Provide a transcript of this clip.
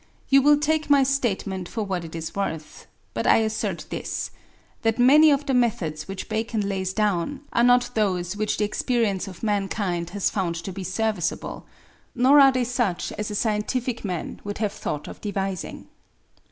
You will take my statement for what it is worth, but I assert this: that many of the methods which Bacon lays down are not those which the experience of mankind has found to be serviceable; nor are they such as a scientific man would have thought of devising.